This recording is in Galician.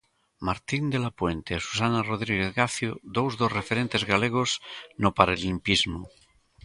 Martín de la Puente e Susana Rodríguez Gacio, dous dos referentes galegos no parolimpismo.